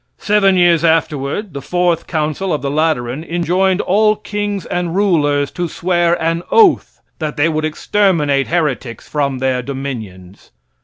Seven years afterward; the fourth council of the Lateran enjoined all kings and rulers to swear an oath that they would exterminate heretics from their dominions.